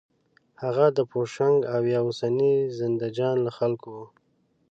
هغه د پوشنګ او یا اوسني زندهجان له خلکو و.